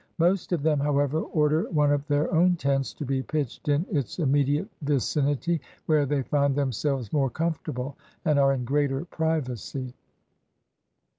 Most of them, however, order one of their own tents to be pitched in its immediate vicinity, where they find themselves more comfortable and are in greater privacy.